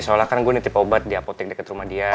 soalnya kan gue nitip obat di apotek dekat rumah dia